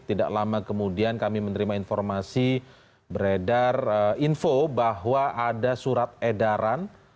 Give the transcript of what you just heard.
tidak lama kemudian kami menerima informasi beredar info bahwa ada surat edaran